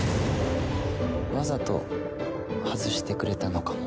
わざと外してくれたのかも。